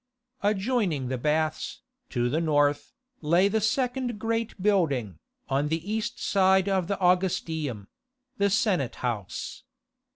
Adjoining the Baths, to the north, lay the second great building, on the east side of the Augustaeum—the Senate House.